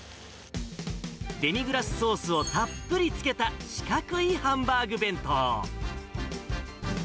デミグラスソースをたっぷりつけた四角いハンバーグ弁当。